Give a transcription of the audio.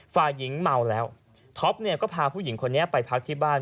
ฝ่ายหญิงเมาแล้วท็อปเนี่ยก็พาผู้หญิงคนนี้ไปพักที่บ้าน